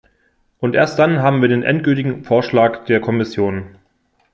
Und erst dann haben wir den endgültigen Vorschlag der Kommission.